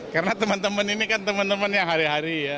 karena teman teman ini kan teman teman yang hari hari ya